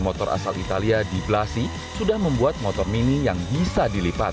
motor asal italia di blasi sudah membuat motor mini yang bisa dilipat